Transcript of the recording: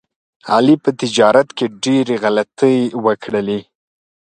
علي په تجارت کې ډېر غلطۍ وکړلې.